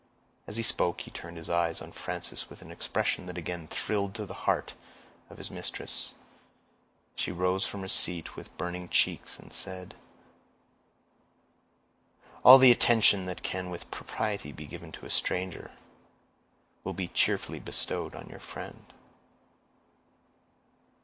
As he spoke, he turned his eyes on Frances with an expression that again thrilled to the heart of his mistress; she rose from her seat with burning cheeks, and said,— "All the attention that can with propriety be given to a stranger, will be cheerfully bestowed on your friend."